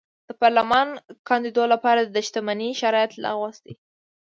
د پارلمان کاندېدو لپاره د شتمنۍ شرایط لغوه شي.